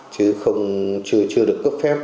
chứ chưa được cấp phép